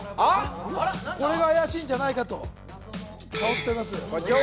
これが怪しいんじゃないかと触っています。